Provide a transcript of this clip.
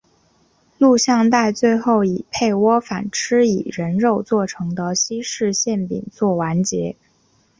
录像带最后以佩芮反吃以人肉做成的西式馅饼作完结。